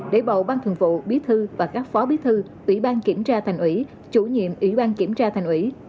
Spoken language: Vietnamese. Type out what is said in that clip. để bầu ban thường vụ bí thư và các phó bí thư ủy ban kiểm tra thành ủy chủ nhiệm ủy ban kiểm tra thành ủy